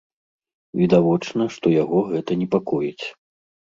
Відавочна, што яго гэта непакоіць.